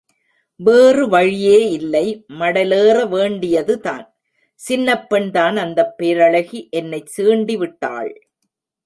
வேறு வழியே இல்லை மடலேற வேண்டியதுதான். சின்னப் பெண்தான் அந்தப் பேரழகி என்னைச் சீண்டிவிட்டாள்.